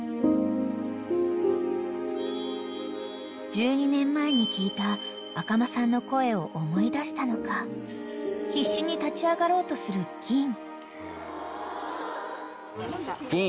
［１２年前に聞いた赤間さんの声を思い出したのか必死に立ち上がろうとするぎん］